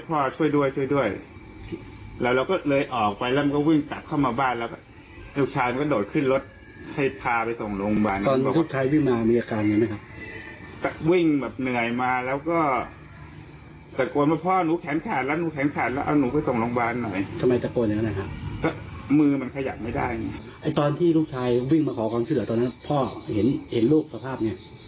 ตอนที่ลูกชายวิ่งมาขอความเชื่อตอนนั้นพ่อเห็นลูกสภาพอย่างไร